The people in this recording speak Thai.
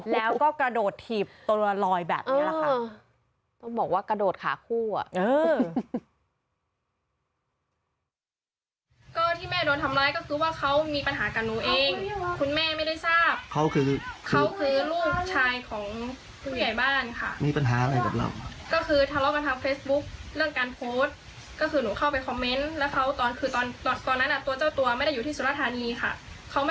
แล้วก็กระโดดถีบตัวลอยแบบนี้แหละค่ะ